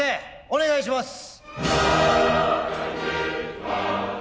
お願いします。